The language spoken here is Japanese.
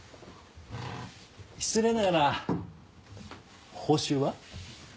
失礼ながら報酬は？